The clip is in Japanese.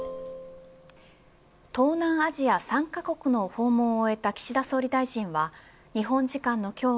東南アジア３カ国の訪問を終えた岸田総理大臣は日本時間の今日